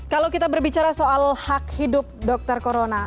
kalau kita berbicara soal hak hidup dokter corona